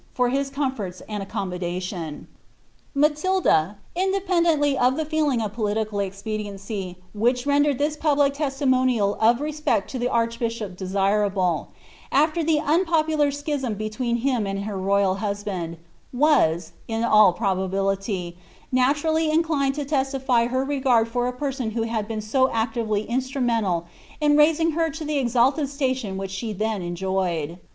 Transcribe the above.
Cor h* comfurls aud Accoioinudaiion.' Matilda, ind^'pendeuLly of the feeling of political cxpodiency wltidi rendered this public lestimonial of respect to the archbishop oceinUci After the onpopuUr schism between him and her royal husband, ms, is all probability, oatundly inclined to testify her regard for a person who tiad been to actively ioatniineiital ia raising her to tlie exalted siatioa which she then enjoyed.